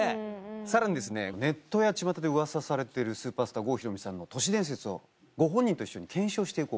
さらにネットやちまたでうわさされてるスーパースター郷ひろみさんの都市伝説をご本人と一緒に検証して行こう。